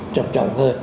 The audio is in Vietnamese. chậm trọng hơn